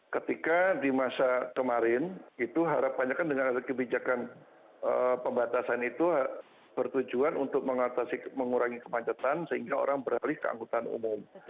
ketika di masa kemarin itu harapannya kan dengan ada kebijakan pembatasan itu bertujuan untuk mengurangi kemacetan sehingga orang beralih ke angkutan umum